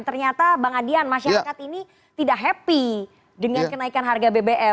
ternyata bang adian masyarakat ini tidak happy dengan kenaikan harga bbm